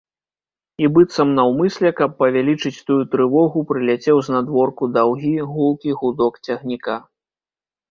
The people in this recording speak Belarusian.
І быццам наўмысля, каб павялічыць тую трывогу, прыляцеў знадворку даўгі, гулкі гудок цягніка.